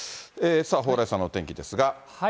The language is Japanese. さあ、蓬莱さんのお天気ですが。